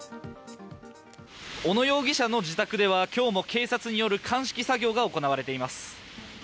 小野容疑者の自宅では今日も警察による鑑識作業が行われています。